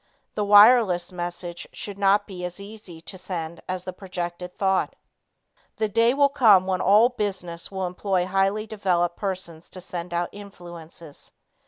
The wireless message should not be as easy to send as the projected thought. The day will come when all business will employ highly developed persons to send out influences.